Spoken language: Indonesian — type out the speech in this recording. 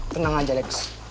tenang aja lex